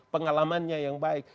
pengalamannya yang baik